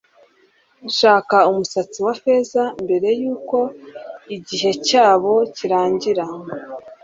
shaka umusatsi wa feza mbere yuko igihe cyabo kirangira